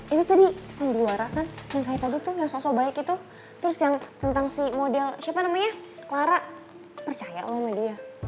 itu tadi sandiwara kan yang saya takut tuh yang sosok baik itu terus yang tentang si model siapa namanya clara percaya sama dia